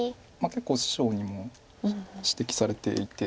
結構師匠にも指摘されていて。